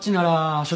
所長！